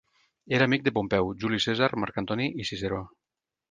Era amic de Pompeu, Juli Cèsar, Marc Antoni i Ciceró.